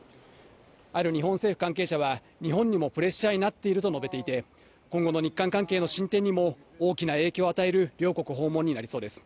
ある日本政府関係者は、日本にもプレッシャーになっていると述べていて、今後の日韓関係の進展にも大きな影響を与える両国訪問になりそうです。